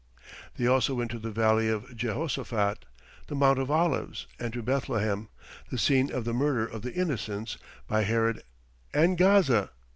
They also went to the Valley of Jehoshaphat, the Mount of Olives, and to Bethlehem, the scene of the murder of the Innocents by Herod, and Gaza.